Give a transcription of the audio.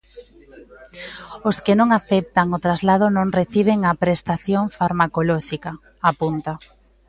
"Os que non aceptan o traslado non reciben a prestación farmacolóxica", apunta.